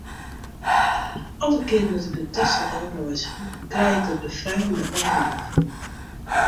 Alle kearen dat ik nei Texel ôfreizgje, krij ik dat befrijende eilângefoel.